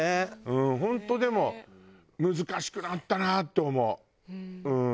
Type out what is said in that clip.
うん本当でも難しくなったなって思ううん。